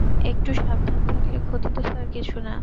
একটু সাবধান থাকলে ক্ষতি তো স্যার কিছু না।